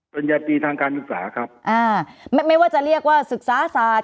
ญาตรีทางการศึกษาครับอ่าไม่ไม่ว่าจะเรียกว่าศึกษาศาสตร์